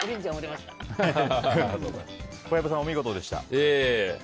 小籔さん、お見事でした。